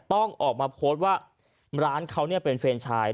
ต้องออกมาโพสต์ว่าร้านเขาเป็นแฟนชาย